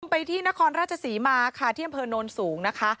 ไปที่นครราชศรีมาคาเที่ยมเพิร์นนท์สูงนะคะ